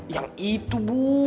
yang itu bu